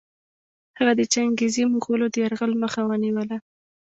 هغه د چنګېزي مغولو د یرغل مخه ونیوله.